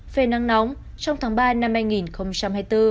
về nắng nóng trong tháng ba năm hai nghìn hai mươi bốn